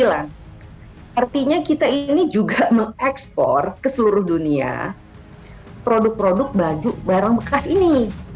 artinya kita ini juga mengekspor ke seluruh dunia produk produk baju barang bekas ini